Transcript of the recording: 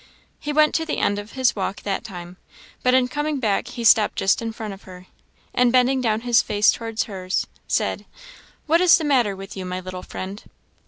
He went to the end of his walk that time, but in coming back he stopped just in front of her, and, bending down his face towards hers, said, "What is the matter with you, my little friend?"